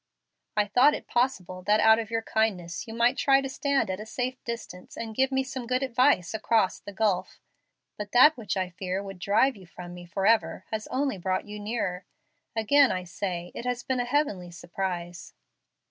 I thought it possible that out of your kindness you might try to stand at a safe distance and give me some good advice across the gulf. But that which I feared would drive you from me forever has only brought you nearer. Again I say, it has been a heavenly surprise."